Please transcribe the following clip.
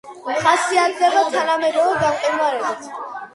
ხასიათდება თანამედროვე გამყინვარებით.